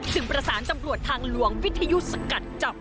ประสานตำรวจทางหลวงวิทยุสกัดจับ